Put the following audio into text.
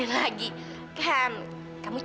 aduh ya ampun